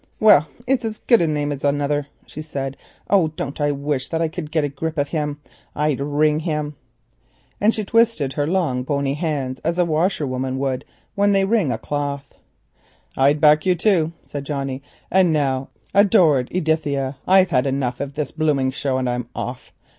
"Well, it's a good a name as another," she said. "Oh, don't I wish that I could get a grip of him; I'd wring him," and she twisted her long bony hands as washerwomen do when they squeeze a cloth. "I'd back you to," said Johnnie. "And now, adored Edithia, I've had enough of this blooming show, and I'm off.